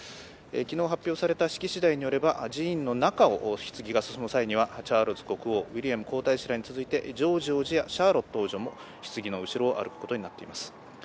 昨日発表された式次第によれば、寺院の中をひつぎが進む際にはチャールズ国王ウィリアム皇太子らに続いてジョージ王子やシャーロット王女もひつぎの後ろを歩くことになっています。